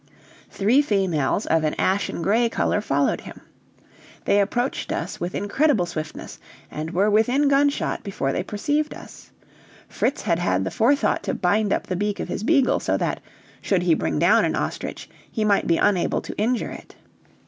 Three females of an ashen gray color followed him. They approached us with incredible swiftness, and were within gunshot before they perceived us. Fritz had had the forethought to bind up the beak of his eagle so that, should he bring down an ostrich, he might be unable to injure it.